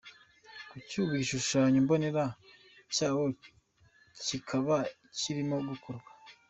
Kuri ubu igishushanyo mbonera cyawo kikaba kirimo gukorwa.